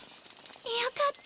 よかった。